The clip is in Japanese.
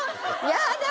やだ